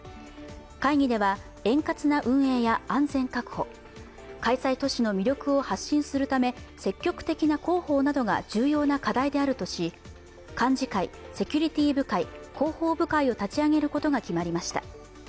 会議では円滑な運営や安全確保、開催都市の魅力を発信するため積極的な広報などが重要な課題であるとし、幹事会、セキュリティー部会、広報部会を立ち上げることが決まりました。